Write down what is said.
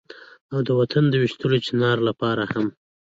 او د وطن د ويشتلي چينار لپاره هم